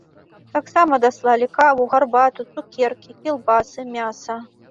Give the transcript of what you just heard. Таксама даслалі каву, гарбату, цукеркі, кілбасы, мяса.